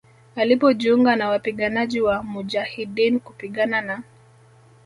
alipojiunga na wapiganaji wa mujahideen kupigana na